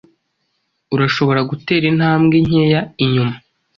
Urashobora gutera intambwe nkeya inyuma.